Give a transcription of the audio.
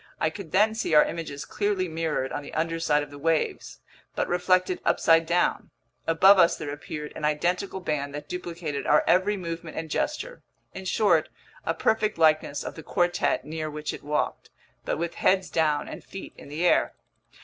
I could then see our images clearly mirrored on the underside of the waves, but reflected upside down: above us there appeared an identical band that duplicated our every movement and gesture; in short, a perfect likeness of the quartet near which it walked, but with heads down and feet in the air.